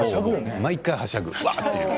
毎回はしゃぐ。